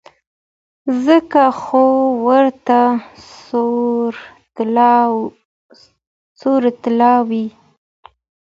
ځکه خو ورته سور طلا وايي.